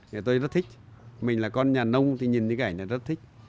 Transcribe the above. thì tôi rất thích mình là con nhà nông thì nhìn cái ảnh này rất thích